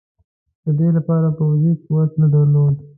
د دې لپاره پوځي قوت نه درلود.